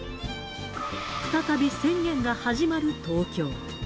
再び宣言が始まる東京。